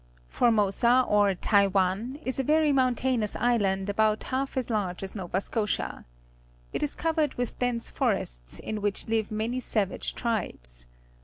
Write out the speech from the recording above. — Formosa, or Tanvan, is a very mountainous island about half as lar^e as Nova Scotia. It is covered with dense forests, in which Uve many savage tribes.